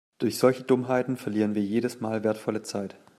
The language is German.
Durch solche Dummheiten verlieren wir jedes Mal wertvolle Zeit.